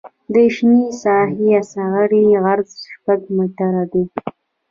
د شنې ساحې اصغري عرض شپږ متره دی